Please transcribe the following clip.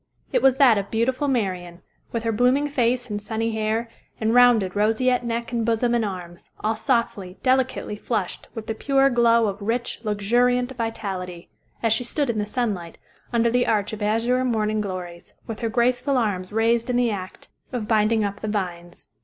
It was that of beautiful Marian, with her blooming face and sunny hair, and rounded roseate neck and bosom and arms, all softly, delicately flushed with the pure glow of rich, luxuriant vitality, as she stood in the sunlight, under the arch of azure morning glories, with her graceful arms raised in the act of binding up the vines.